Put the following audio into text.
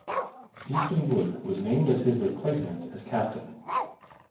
Easton Wood was named as his replacement as captain.